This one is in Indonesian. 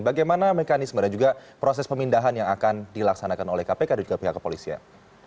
bagaimana mekanisme dan juga proses pemindahan yang akan dilaksanakan oleh kpk dan juga pihak kepolisian